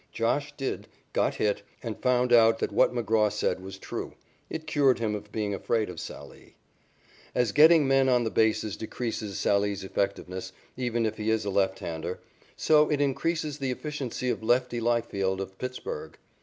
"Josh" did, got hit, and found out that what McGraw said was true. It cured him of being afraid of Sallee. As getting men on the bases decreases Sallee's effectiveness, even if he is a left hander, so it increases the efficiency of "Lefty" Leifield of Pittsburg.